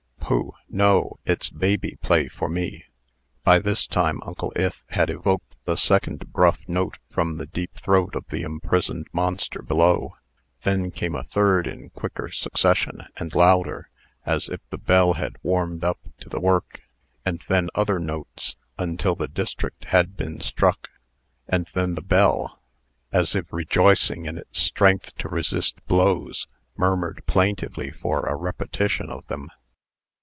"Pooh! no. It's baby play for me." By this time Uncle Ith had evoked the second gruff note from the deep throat of the imprisoned monster below. Then came a third in quicker succession, and louder, as if the bell had warmed up to the work, and then other notes, until the district had been struck; and then the bell, as if rejoicing in its strength to resist blows, murmured plaintively for a repetition of them.